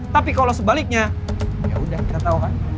tapi kalau sebaliknya ya udah kita tahu kan